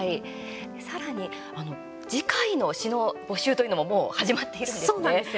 さらに次回の詩の募集というのももう始まっているんですね。